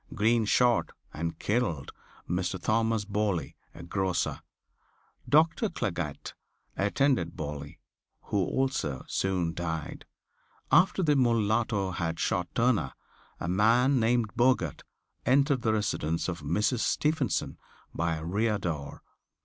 Green shot and killed Mr. Thomas Boerley, a grocer. Dr. Claggett attended Boerley, who also soon died. After the mulatto had shot Turner, a man named Bogert entered the residence of Mrs. Stephenson by a rear door.